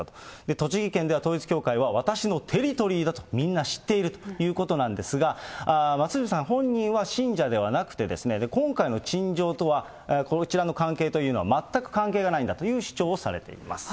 栃木県では統一教会は私のテリトリーだとみんな知っているということなんですが、増渕さん本人は信者ではなくて、今回の陳情とは、こちらの関係というのは、全く関係がないんだという主張をされています。